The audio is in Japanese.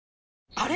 あれ？